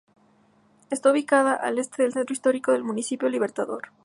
Está ubicada al este del centro histórico del Municipio Libertador.